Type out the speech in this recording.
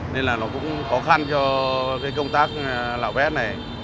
nên là nó cũng khó khăn cho công tác lão vét này